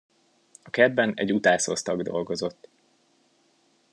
A kertben egy utászosztag dolgozott.